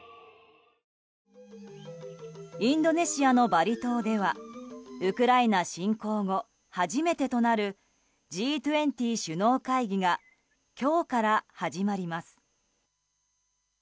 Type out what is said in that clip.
インドネシアのバリ島ではウクライナ侵攻後初めてとなるＧ２０首脳会議が今日から始まります。